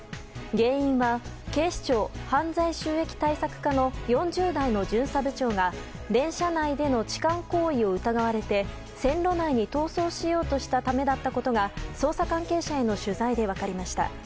原因は警視庁犯罪収益対策課の４０代の巡査部長が電車内での痴漢行為を疑われて線路内に逃走しようとしたためだったことが捜査関係者への取材で分かりました。